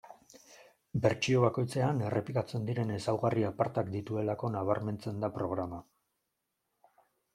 Bertsio bakoitzean errepikatzen diren ezaugarri apartak dituelako nabarmentzen da programa.